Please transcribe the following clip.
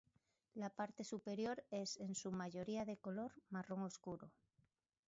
La parte superior es en su mayoría de color marrón oscuro.